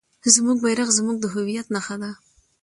زموږ بیرغ زموږ د هویت نښه ده.